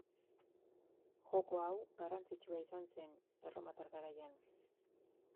Joko hau garrantzitsua izan zen erromatar garaian.